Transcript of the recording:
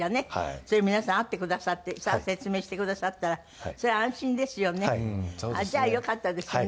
それを皆さん会ってくださって説明してくださったらそれは安心ですよね。